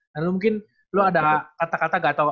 dan lu mungkin lu ada kata kata gak tau ada kalimat gak buat lu